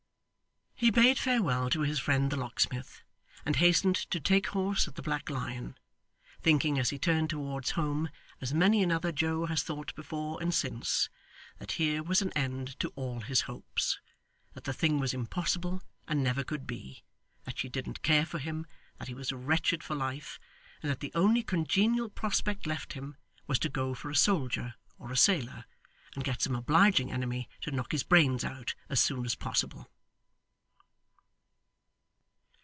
He bade farewell to his friend the locksmith, and hastened to take horse at the Black Lion, thinking as he turned towards home, as many another Joe has thought before and since, that here was an end to all his hopes that the thing was impossible and never could be that she didn't care for him that he was wretched for life and that the only congenial prospect left him, was to go for a soldier or a sailor, and get some obliging enemy to knock his brains out as soon as possible.